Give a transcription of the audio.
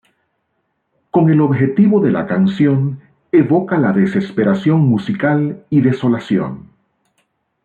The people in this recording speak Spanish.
Con el objetivo de la canción evoca la desesperación musical y desolación.